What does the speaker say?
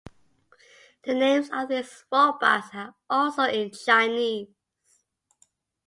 The names of these robots are also in Chinese.